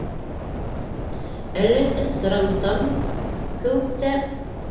Әлләсе... сырамытам кеүек тә.